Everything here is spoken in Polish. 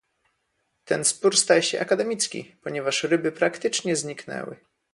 Ten spór staje się akademicki, ponieważ ryby praktycznie zniknęły